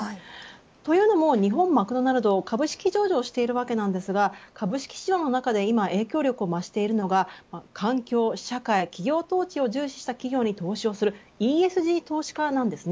というのも日本マクドナルドは株式上場しているわけですが株式市場の中で今影響力を増しているのが環境、社会、企業統治を重視した企業に投資するＥＳＧ投資家です。